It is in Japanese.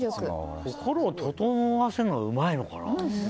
心を整わせるのがうまいのかな。